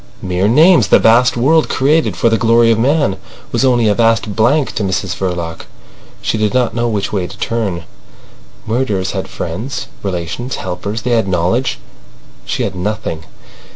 Mere names. The vast world created for the glory of man was only a vast blank to Mrs Verloc. She did not know which way to turn. Murderers had friends, relations, helpers—they had knowledge. She had nothing.